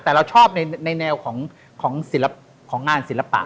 แต่เราชอบในแนวของงานศิลปะ